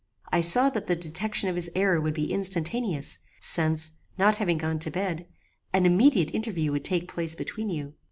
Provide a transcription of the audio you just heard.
I saw that the detection of his error would be instantaneous, since, not having gone to bed, an immediate interview would take place between you.